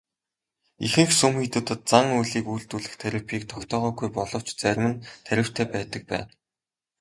Ихэнх сүм хийдүүдэд зан үйлийг үйлдүүлэх тарифыг тогтоогоогүй боловч зарим нь тарифтай байдаг байна.